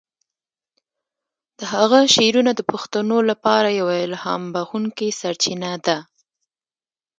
د هغه شعرونه د پښتنو لپاره یوه الهام بخښونکی سرچینه ده.